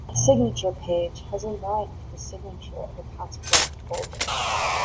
A signature page has a line for the signature of a passport holder.